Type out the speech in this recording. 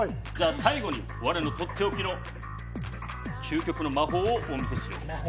最後に我のとっておきの究極の魔法をお見せしよう。